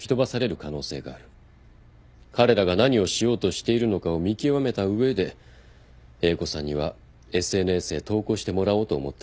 彼らが何をしようとしているのかを見極めた上で英子さんにはＳＮＳへ投稿してもらおうと思ったのです。